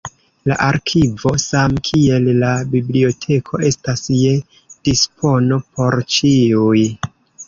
La arkivo same kiel la biblioteko estas je dispono por ĉiuj.